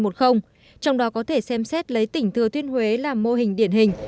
trong đó có thể xem xét lấy tỉnh thừa thiên huế làm mô hình điển hình